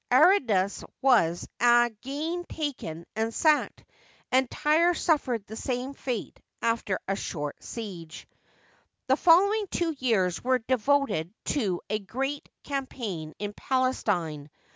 Aradus was again taken and sacked, and T3rre suffered the same fate after a short siege. The following two years were devoted to a great cam paign in Palestine.